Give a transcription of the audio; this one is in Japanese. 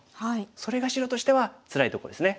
それが白としてはつらいとこですね。